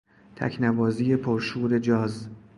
تکنوازی پرشور جاز